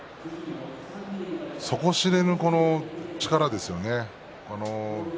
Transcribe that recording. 底知れぬ力ですね。